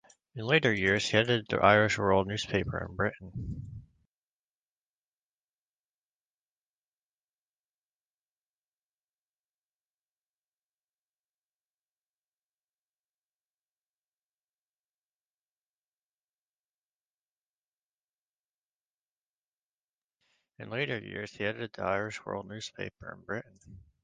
In later years he edited The Irish World newspaper in Britain.